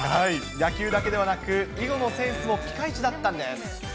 野球だけではなく、囲碁のセンスもピカイチだったんです。